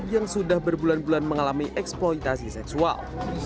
yang sudah berbulan bulan mengalami eksploitasi seksual